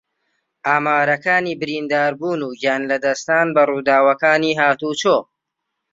ئامارەکانی برینداربوون و گیانلەدەستدان بە ڕووداوەکانی ھاتوچۆ